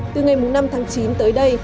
từ ngày năm tháng chín tới đây